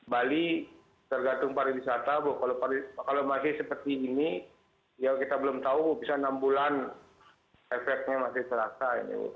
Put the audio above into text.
bali tergantung pariwisata bu kalau masih seperti ini ya kita belum tahu bisa enam bulan efeknya masih terasa